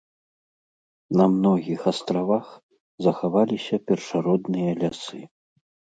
На многіх астравах захаваліся першародныя лясы.